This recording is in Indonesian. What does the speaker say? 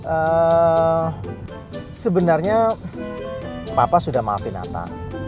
eee sebenarnya papa sudah maafin natal